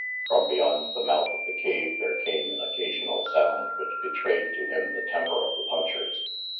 From beyond the mouth of the cave, there came an occasional sound which betrayed to him the temper of the punchers.